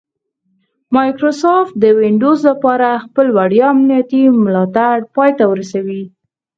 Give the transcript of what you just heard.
مایکروسافټ د ونډوز لپاره خپل وړیا امنیتي ملاتړ پای ته ورسوي